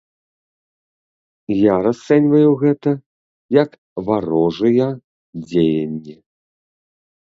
Я расцэньваю гэта як варожыя дзеянні.